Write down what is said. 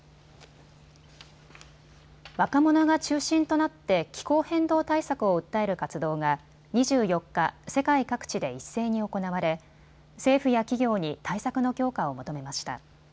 若者が中心となって気候変動対策を訴える活動が２４日、世界各地で一斉に行われ政府や企業に対策の強化を求めました。